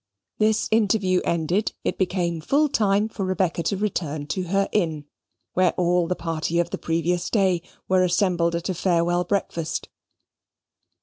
This interview ended, it became full time for Rebecca to return to her inn, where all the party of the previous day were assembled at a farewell breakfast.